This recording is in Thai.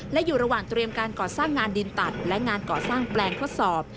และอยู่ระหว่างตรวจการก่อสร้างการดินตัดและก่อสร้างแปลงประสอบ